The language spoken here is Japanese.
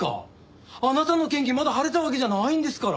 あなたの嫌疑まだ晴れたわけじゃないんですから。